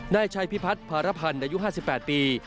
นายชัยพิพัฒน์พารพันธ์อายุ๕๘ปี